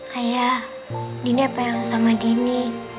ayah dina pengen sama dini